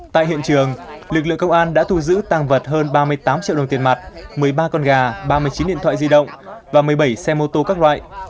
tại hiện trường lực lượng công an đã thu giữ tàng vật hơn ba mươi tám triệu đồng tiền mặt một mươi ba con gà ba mươi chín điện thoại di động và một mươi bảy xe mô tô các loại